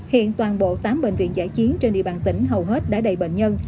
hiện toàn bộ tám bệnh viện giải chiến trên địa bàn tỉnh hầu hết đã đầy bệnh nhân